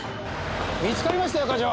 見つかりましたよ課長。